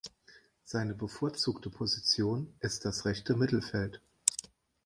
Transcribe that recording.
Seine bevorzugte Position ist das rechte Mittelfeld.